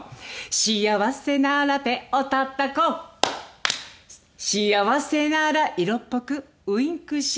「幸せなら手をたたこう」「幸せなら色っぽくウインクしよう」